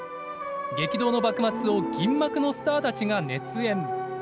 激動の幕末を銀幕のスターたちが熱演。